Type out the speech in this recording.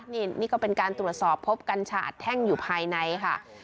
นี่นี่ก็เป็นการตรวจสอบพบกัญชาแท่งอยู่ภายในค่ะ